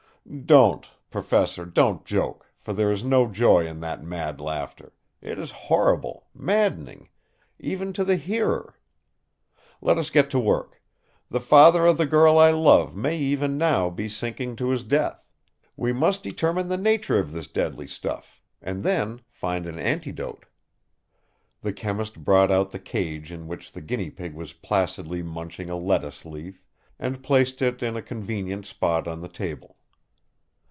"Don't, Professor, don't joke, for there is no joy in that mad laughter. It is horrible, maddening, even to the hearer. Let us get to work. The father of the girl I love may even now be sinking to his death. We must determine the nature of this deadly stuff, and then find an antidote." The chemist brought out the cage in which the guinea pig was placidly munching a lettuce leaf, and placed it in a convenient spot on the table.